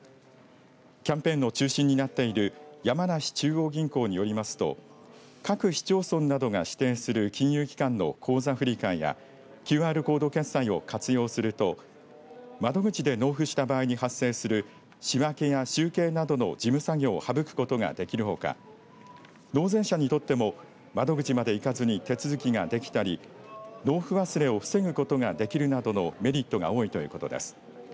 キャンペーンの中心になっている山梨中央銀行によりますと各市町村などが指定する金融機関の口座振替やＱＲコード決済を活用すると窓口で納付した場合に発生する仕分けや集計などの事務作業を省くことができるほか納税者にとっても窓口まで行かずに手続きができたり納付忘れを防ぐことができるなどのメリットが多いということです。